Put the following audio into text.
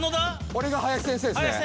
俺が林先生ですね